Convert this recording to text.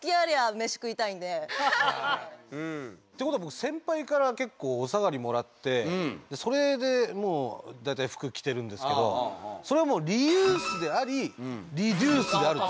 ことは僕先輩から結構お下がりもらってそれでもう大体服着てるんですけどそれはもうリユースでありリデュースであるってことですね。